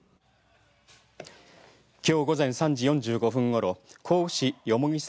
きょう午前３時４５分ごろ甲府市蓬沢